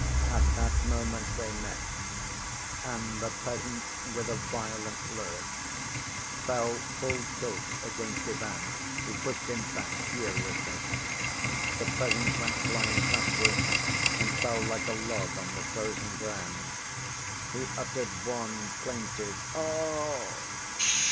At that moment they met, and the peasant with a violent lurch fell full tilt against Ivan, who pushed him back furiously. The peasant went flying backwards and fell like a log on the frozen ground. He uttered one plaintive "O—oh!"